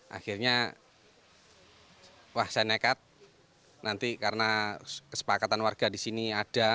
akhirnya wah saya nekat nanti karena kesepakatan warga di sini ada